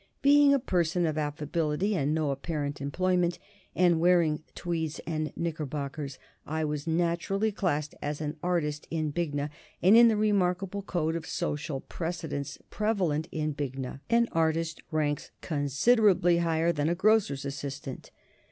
Being a person of affability and no apparent employment, and wearing tweeds and knickerbockers, I was naturally classed as an artist in Bignor, and in the remarkable code of social precedence prevalent in Bignor an artist ranks considerably higher than a grocer's assistant.